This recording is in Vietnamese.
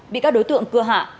bị các đối tượng cưa hạ